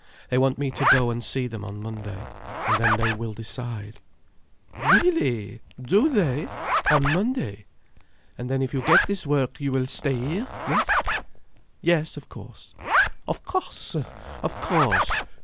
They want me to go and see them on Monday, and then they will decide—" "Really! Do they! On Monday? And then if you get this work you will stay here? Yes?" "Yes, of course." "Of course! Of course!